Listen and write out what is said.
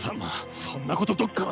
そんなことどっから！